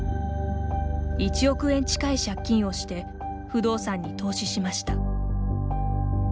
１億円近い借金をして不動産に投資しました。